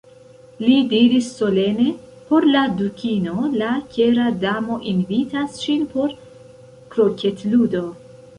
Li diris solene: "Por la Dukino, La Kera Damo invitas ŝin por kroketludo."